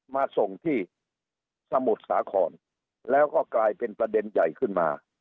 มาส่งที่สมุทรสาครแล้วก็กลายเป็นประเด็นใหญ่ขึ้นมา